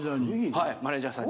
はいマネジャーさんに。